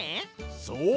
そう。